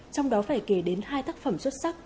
trong đó phải kể đến hai tác phẩm xuất sắc